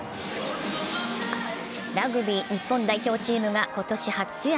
ラグビー日本代表チームが今年初試合。